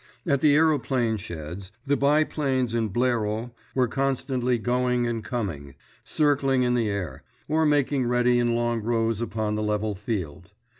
At the aeroplane sheds the biplanes and Blériots were constantly going and coming, circling in the air, or making ready in long rows upon the level field.